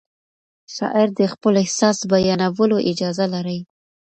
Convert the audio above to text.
شاعر د خپل احساس بیانولو اجازه لري.